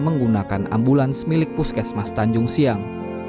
menggunakan ambulans milik puskesmas tanjung siang